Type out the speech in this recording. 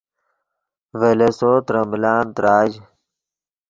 ڤے لیسو ترے ملان تراژ